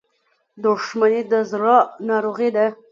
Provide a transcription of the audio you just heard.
• دښمني د زړه ناروغي ده.